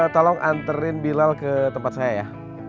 tolong anterin bilal ke tempat saya ya